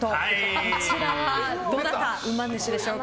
こちらはどなたがうま主でしょうか。